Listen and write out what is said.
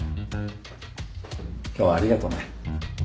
今日はありがとね。